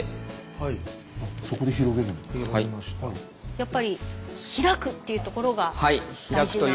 やっぱり開くっていうところが大事な。